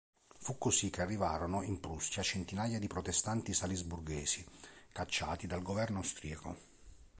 Fu così che arrivarono in Prussia centinaia di protestanti salisburghesi, cacciati dal governo austriaco.